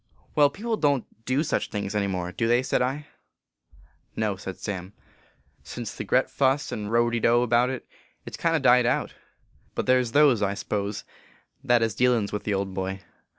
" Well, people don t do such things any more, do they ?" said I. 44 No," said Sam. " Since the gret fuss and row de dow about it, it s kind o died out ; but there s those, I s pose, that hez dealins with the old boy.